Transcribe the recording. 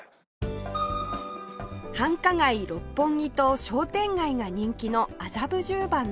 繁華街六本木と商店街が人気の麻布十番の間